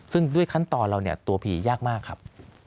ซึ่งด้วยขั้นตอนเราเนี่ยตัวผียากมากครับ